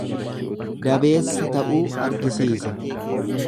Dabeessa ta'uu argisiisa.